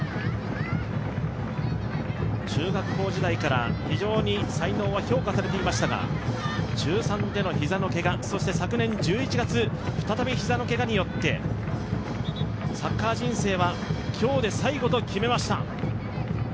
中学校時代から非常に才能は評価されていましたが、中３での膝のけが、そして昨年１１月、再び膝のけがによってサッカー人生は今日で最後と決めました。